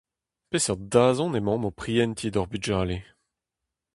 Peseurt dazont emaomp o prientiñ d'hor bugale ?